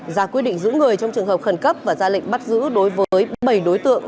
ra quyết định giữ người trong trường hợp khẩn cấp và ra lệnh bắt giữ đối với bảy đối tượng